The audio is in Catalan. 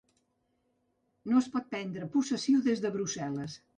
No es pot prendre possessió des de Brussel·les.